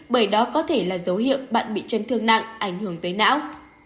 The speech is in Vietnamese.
bởi đó có thể là dấu hiệu bạn bị chấn thương nặng ảnh hưởng tới não